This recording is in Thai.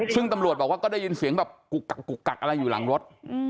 ซึ่งตำรวจบอกว่าก็ได้ยินเสียงแบบกุกกักกุกกักอะไรอยู่หลังรถ